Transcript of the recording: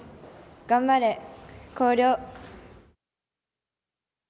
頑張れ、広陵！